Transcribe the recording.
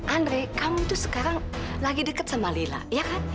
andre kamu tuh sekarang lagi dekat sama lila ya kan